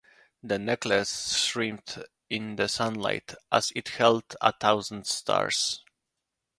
The necklace shimmered in the sunlight, as if it held a thousand stars.